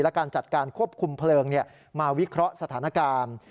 และการจัดการควบคุมเพลิงมาวิเคราะห์สถานการณ์